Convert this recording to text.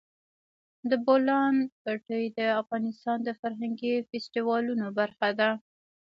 د بولان پټي د افغانستان د فرهنګي فستیوالونو برخه ده.